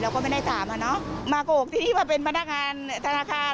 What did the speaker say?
ก็ไม่ได้ถามอ่ะเนอะมาโกกที่ว่าเป็นพนักงานธนาคาร